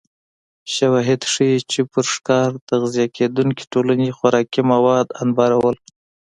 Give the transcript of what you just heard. شواهد ښيي چې پر ښکار تغذیه کېدونکې ټولنې خوراکي مواد انبارول